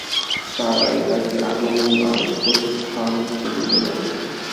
তারা এটাকে আগমন আর প্রস্থান কেন্দ্রে রাখে।